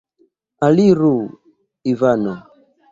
Aliru, Ivano!